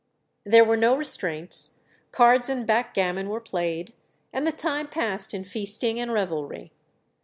There were no restraints, cards and backgammon were played, and the time passed in feasting and revelry.